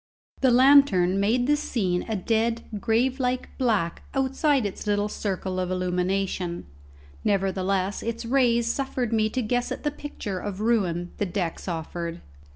The lantern made the scene a dead, grave like black outside its little circle of illumination; nevertheless its rays suffered me to guess at the picture of ruin the decks offered.